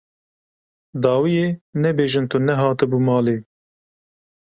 Dawiyê nebêjin tu nehatibû malê.